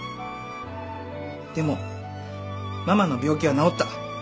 でもママの病気は治った。